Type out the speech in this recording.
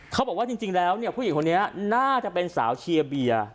เขาบอกว่าจริงแล้วเนี่ยผู้หญิงคนนี้น่าจะเป็นสาวเชียร์เบียร์